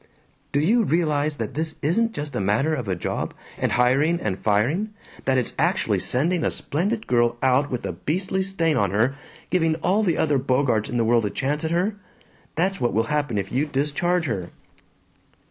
"Do you realize that this isn't just a matter of a job, and hiring and firing; that it's actually sending a splendid girl out with a beastly stain on her, giving all the other Bogarts in the world a chance at her? That's what will happen if you discharge her."